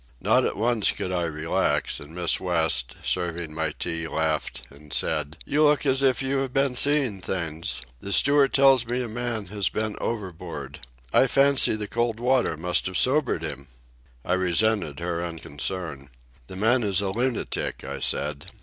Not at once could I relax, and Miss West, serving my tea, laughed and said: "You look as if you had been seeing things. The steward tells me a man has been overboard. I fancy the cold water must have sobered him." I resented her unconcern. "The man is a lunatic," I said.